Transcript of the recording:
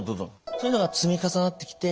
そういうのが積み重なってきて。